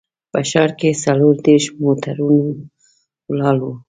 په ښار کې څلور دیرش موټرونه ولاړ وو.